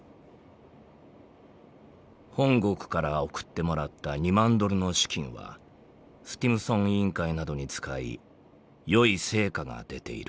「本国から送ってもらった２万ドルの資金はスティムソン委員会などに使い良い成果が出ている」。